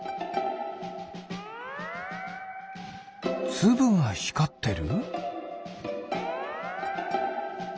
つぶがひかってる？